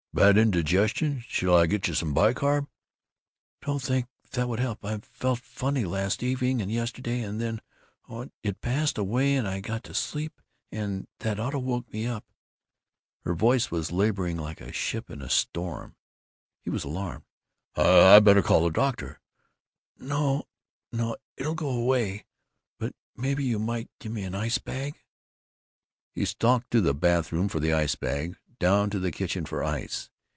"Bad indigestion? Shall I get you some bicarb?" "Don't think that would help. I felt funny last evening and yesterday, and then oh! it passed away and I got to sleep and That auto woke me up." Her voice was laboring like a ship in a storm. He was alarmed. "I better call the doctor." "No, no! It'll go away. But maybe you might get me an ice bag." He stalked to the bathroom for the ice bag, down to the kitchen for ice.